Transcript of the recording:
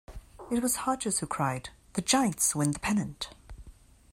It was Hodges who cried, The Giants win the pennant!